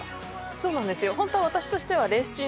そうなんですよ